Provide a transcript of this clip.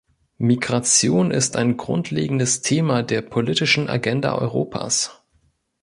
Migration ist ein grundlegendes Thema der politischen Agenda Europas.